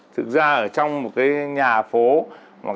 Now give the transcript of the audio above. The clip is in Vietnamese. thực ra ở trong một nhà phố